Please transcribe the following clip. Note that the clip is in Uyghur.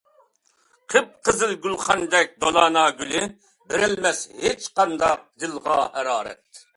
قىپقىزىل گۈلخاندەك دولانا گۈلى بېرەلمەس ھېچقانداق دىلغا ھارارەت.